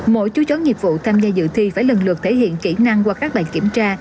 mỗi chú chó nghiệp vụ tham gia dự thi phải lần lượt thể hiện kỹ năng qua các bài kiểm tra